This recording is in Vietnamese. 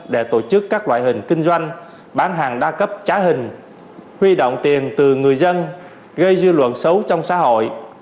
để tổ chức các loại hình kinh doanh bán hàng đa cấp trá hình huy động tiền từ người dân gây dư luận xấu trong xã hội